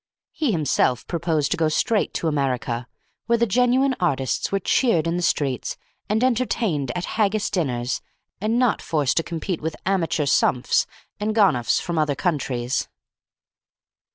He himself proposed to go straight to America, where genuine artists were cheered in the streets and entertained at haggis dinners, and not forced to compete with amateur sumphs and gonuphs from other countries.